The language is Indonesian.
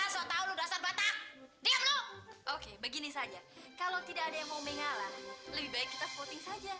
kalau tidak ada yang mau mengalah lebih baik kita poting saja